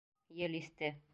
Ел иҫте.